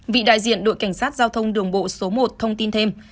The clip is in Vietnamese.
vị đại diện đội cảnh sát giao thông đường bộ số một thông tin thêm